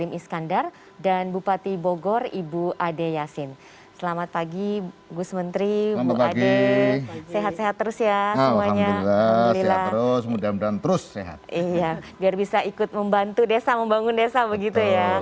biar bisa ikut membantu desa membangun desa begitu ya